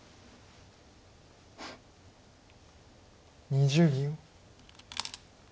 ２０秒。